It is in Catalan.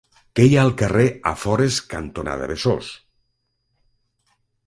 Què hi ha al carrer Afores cantonada Besòs?